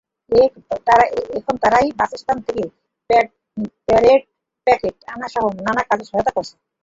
এখন তারাই বাসস্ট্যান্ড থেকে প্যাডের প্যাকেট আনাসহ নানা কাজে সহায়তা করছে।